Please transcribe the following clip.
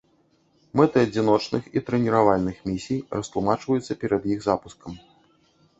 Мэты адзіночных і трэніравальных місій растлумачваюцца перад іх запускам.